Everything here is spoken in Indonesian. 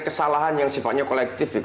kesalahan yang sifatnya kolektif